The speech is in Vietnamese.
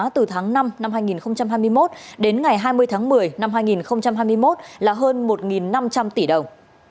từ tháng năm năm hai nghìn hai mươi một đến ngày hai mươi tháng một mươi năm hai nghìn hai mươi một là hơn một năm trăm linh tỷ đồng